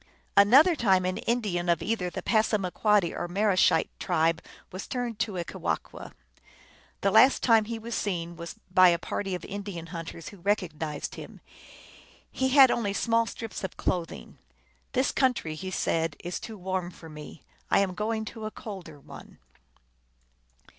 Another time an Indian of either the Passama quoddy or Mareschite tribe was turned to a Kewahqu . The last time he was seen was by a party of Indian hunters, who recognized him. He had only small strips of clothing. " This country," he said, " is too warm for me. I am going to a colder one."